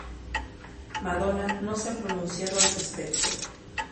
Madonna no se ha pronunciado al respecto.